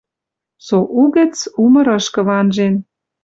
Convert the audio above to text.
Со угӹц у мырышкы ванжен.